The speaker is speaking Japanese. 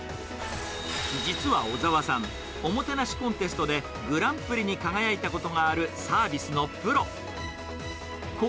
実は小澤さん、おもてなしコンテストでグランプリに輝いたことがある、サービスのプロ。